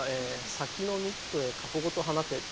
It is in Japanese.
「先のミットへ過去ごと放て」。